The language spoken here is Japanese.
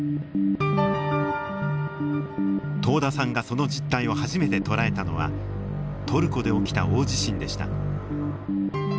遠田さんがその実体を初めて捉えたのはトルコで起きた大地震でした。